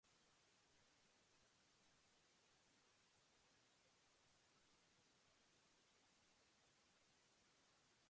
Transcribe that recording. They were pagans and practiced polytheism, worshipping gods such as Odin, Thor, and Freya.